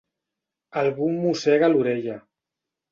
Algú em mossega l'orella.